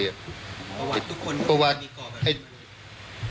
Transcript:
ประวัติทุกคนก็ไม่มีก่อแบบนี้มั้ย